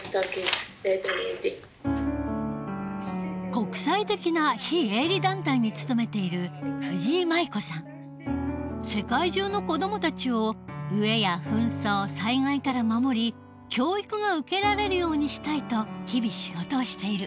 国際的な非営利団体に勤めている世界中の子どもたちを飢えや紛争災害から守り教育が受けられるようにしたいと日々仕事をしている。